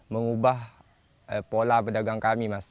mengubah pola pedagang kami mas